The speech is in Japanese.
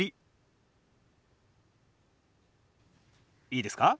いいですか？